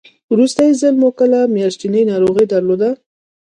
وروستی ځل مو کله میاشتنۍ ناروغي درلوده؟